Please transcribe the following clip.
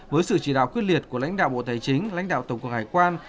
với sự chỉ đạo quyết liệt của lãnh đạo bộ tài chính lãnh đạo tổng cục hải quan